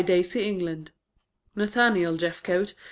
DAISY ENGLAND Nathaniel Jeffcote